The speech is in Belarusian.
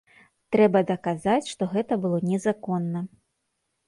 Трэба даказаць, што гэта было незаконна.